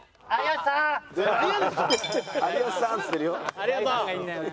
ありがとう！